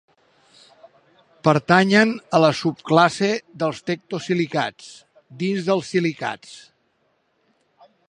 Pertanyen a la subclasse dels tectosilicats, dins dels silicats.